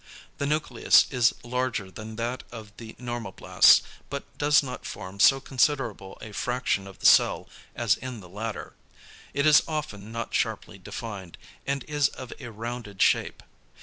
The nucleus is larger than that of the normoblasts, but does not form so considerable a fraction of the cell as in the latter. It is often not sharply defined, and is of a rounded shape.